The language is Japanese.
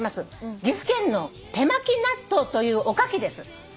「岐阜県の手巻納豆というおかきです」